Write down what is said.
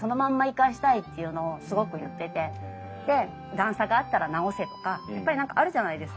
段差があったら直せとかやっぱり何かあるじゃないですか。